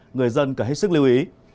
người dân cần hết sức lưu ý